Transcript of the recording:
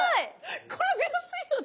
これ出やすいよね？